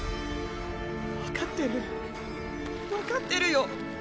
分かってる分かってるよ。